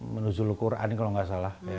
menuzul quran kalau gak salah